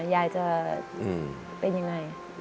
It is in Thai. ยายจะเป็นยังไง